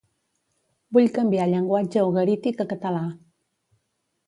Vull canviar llenguatge ugarític a català.